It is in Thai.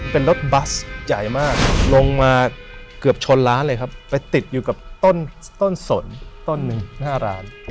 เป็นรถบัสใหญ่มากลงมาเกือบชนร้านเลยครับไปติดอยู่กับต้นสนต้นหนึ่งหน้าร้าน